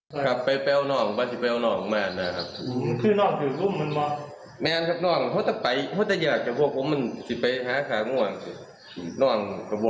ผมก็ได้ต้องป้องไปนะครับ